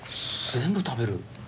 全部食べる。